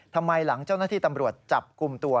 ทำไมหลังเจ้าหน้าที่ตำรวจจับกลุ่มตัว